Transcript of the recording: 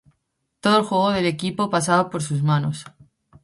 Todo el juego del equipo pasaba por sus manos.